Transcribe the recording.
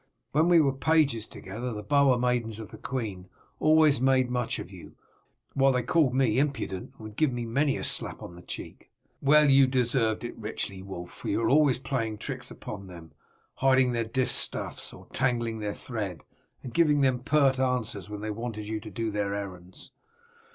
When we were pages together the bower maidens of the queen always made much of you, while they called me impudent, and would give me many a slap on the cheek." "Well, you deserved it richly, Wulf, for you were always playing tricks upon them hiding their distaffs or tangling their thread, and giving them pert answers when they wanted you to do their errands.